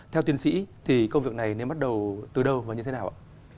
theo tiến sĩ thì công việc này nên bắt đầu từ đâu và như thế nào ạ